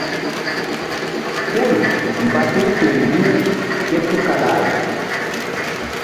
Hul mba tul feri riw ké tukala ay.